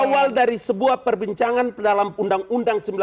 awal dari sebuah perbincangan dalam undang undang sembilan belas